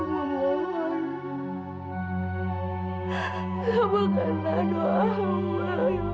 sadarkanlah ibu kamu dan tunjukkanlah dia jalan yang benar ya allah